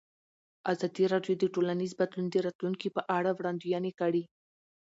ازادي راډیو د ټولنیز بدلون د راتلونکې په اړه وړاندوینې کړې.